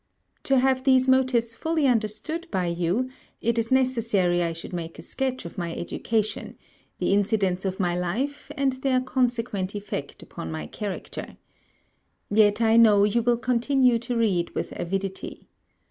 _' To have these motives fully understood by you, it is necessary I should made a sketch of my education, the incidents of my life, and their consequent effect upon my character. Yet I know you will continue to read with avidity.